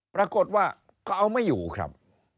ปรากฏว่าก็เอาไม่อยู่ครับ